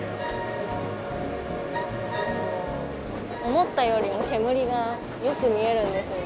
思ったよりも煙がよく見えるんですよ。